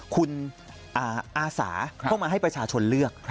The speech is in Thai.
คุณอาสาเข้ามาให้ประชาชนเลือก